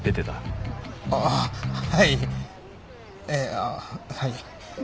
ええあっはい。